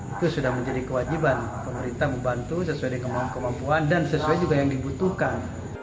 itu sudah menjadi kewajiban pemerintah membantu sesuai dengan kemampuan dan sesuai juga yang dibutuhkan